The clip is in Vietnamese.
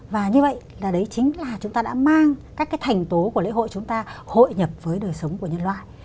và như vậy là đấy chính là chúng ta đã mang các cái thành tố của lễ hội chúng ta hội nhập với đời sống của nhân loại